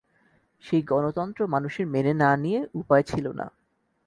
সেই গণতন্ত্র মানুষের মেনে না নিয়ে উপায় ছিল না।